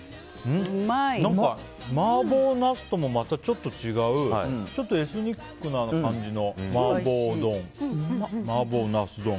何か麻婆ナスともちょっと違うちょっとエスニックな感じの麻婆ナス丼。